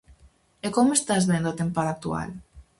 E como estás vendo a tempada actual?